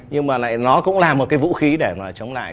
nhưng mà lại nó cũng là một cái vũ khí để mà chống lại